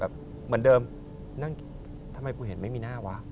เหมือนเดิมนั่งทำไมกูเห็นไม่มีหน้าวะ